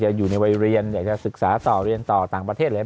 อยู่ในวัยเรียนอยากจะศึกษาต่อเรียนต่อต่างประเทศหรืออะไร